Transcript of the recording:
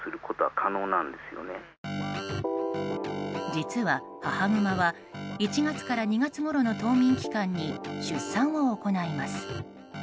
実は、母グマは１月から２月ごろの冬眠期間に出産を行います。